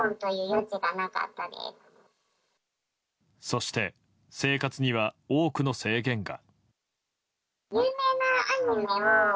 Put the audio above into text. そして生活には多くの制限が。